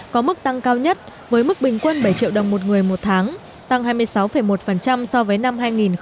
có mức tăng cao nhất với mức bình quân bảy triệu đồng một người một tháng tăng hai mươi sáu một so với năm hai nghìn một mươi